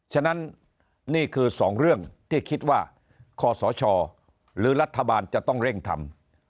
ฉะนั้นนี่คือสองเรื่องที่คิดว่าคศหรือรัฐบาลจะต้องเร่งทำ